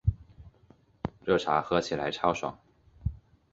热茶喝起来超爽